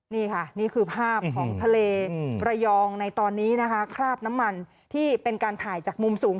นี่ค่ะนี่คือภาพของทะเลระยองในตอนนี้นะคะคราบน้ำมันที่เป็นการถ่ายจากมุมสูง